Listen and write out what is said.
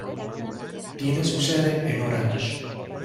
Tiene su sede en Orange.